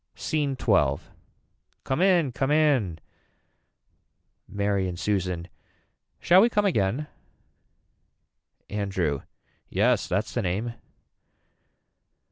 SCENE XII. Come in Come in Mary and Susan. Shall we come again. Andrew. Yes that's the name.